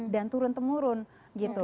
dan turun tengurun gitu